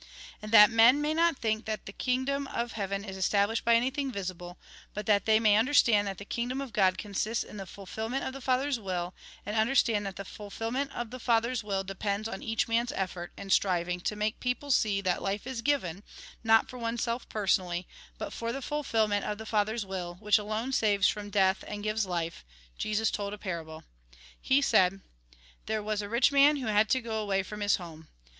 And that men may not think that the kingdom of heaven is established by anything visible ; but that they may understand that the kingdom of God consists in the fulfilment of the Father's will ; and understand that the fulfilment of the Father's will depends on each man's efibrt and striving to make people see that life is given, not for oneself per sonally, but for the fulfilment of the Father's will, which alone saves from death and gives life, — Jesus told a parable. He said :" There was a rich man, who had to go away from his home.